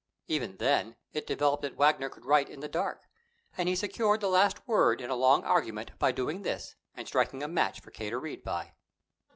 Even then, it developed that Wagner could write in the dark; and he secured the last word in a long argument by doing this and striking a match for K. to read by.